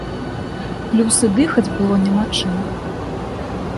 Плюс і дыхаць было няма чым.